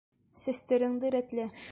Сәстәреңде рәтлә!